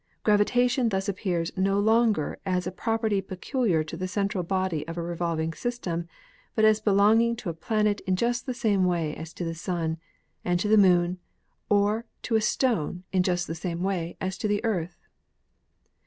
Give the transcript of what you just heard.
Gravitation thus appears no longer as a property peculiar to the central body of a revolving system, but as belonging to a planet in just the same way as to the Sun, and to the Moon, or to a stone in just the same way as to the Earth.